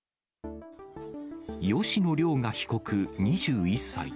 吉野凌雅被告２１歳。